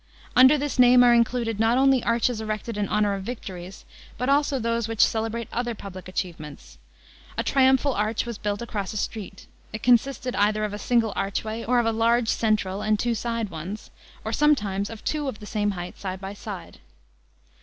Under this name are included not only arches erected in honour of victories, but also those which celebrate other public achievements. A triumphal arch was built across a street. It consisted either ot a single archway, or of a large central and two side ones, or some times of two of the same height side by side.